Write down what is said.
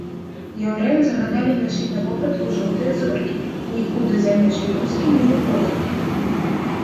Яўрэям загадалі нашыць на вопратку жоўтыя зоркі і нікуды за межы вёскі не выходзіць.